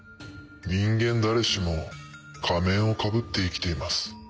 人間誰しも仮面をかぶって生きています。